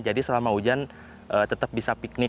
jadi selama hujan tetap bisa piknik